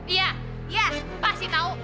iya iya pasti tau